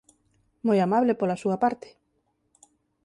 Moi amable pola súa parte.